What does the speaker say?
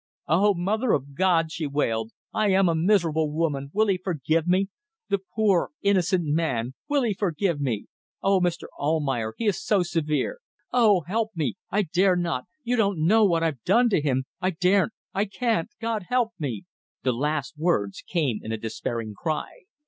"Oh! Mother of God!" she wailed. "I am a miserable woman. Will he forgive me? The poor, innocent man. Will he forgive me? Oh, Mr. Almayer, he is so severe. Oh! help me. ... I dare not. ... You don't know what I've done to him. ... I daren't! ... I can't! ... God help me!" The last words came in a despairing cry.